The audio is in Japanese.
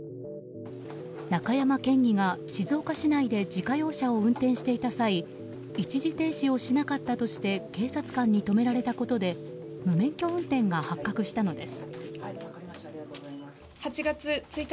中山県議が静岡市内で自家用車を運転していた際一時停止をしなかったとして警察官に止められたことで無免許運転が発覚したのです。